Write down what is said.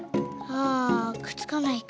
あくっつかないか。